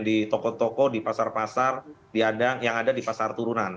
di toko toko di pasar pasar yang ada di pasar turunan